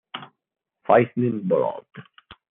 Fighting Blood